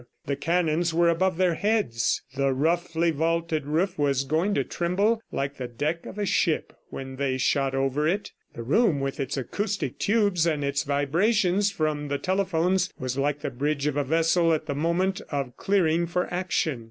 The cannons were above their heads; the roughly vaulted roof was going to tremble like the deck of a ship when they shot over it. The room with its acoustic tubes and its vibrations from the telephones was like the bridge of a vessel at the moment of clearing for action.